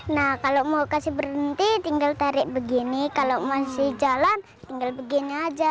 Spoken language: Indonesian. nah kalau mau kasih berhenti tinggal tarik begini kalau masih jalan tinggal begini aja